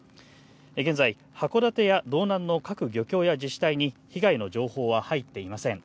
現在、函館や道南の各漁協や自治体に被害の情報は入っていません。